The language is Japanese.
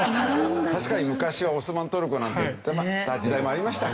確かに昔はオスマントルコなんて言ってた時代もありましたが。